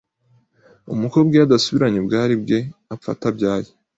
Umukobwa iyo adasubiranye ubwari bweapfa atabyaye